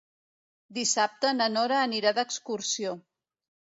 Dissabte na Nora anirà d'excursió.